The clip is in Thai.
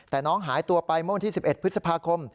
แต่น้องหายตัวไปเมื่อวันที่๑๑พฤษภาคม